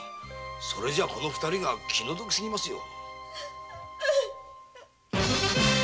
それじゃこの二人が気の毒すぎますぜ。